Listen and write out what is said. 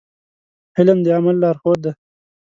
علم د عمل لارښود دی.